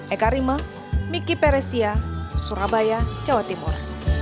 eka rima miki peresia surabaya jawa timur